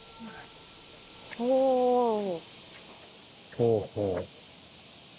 ほうほう。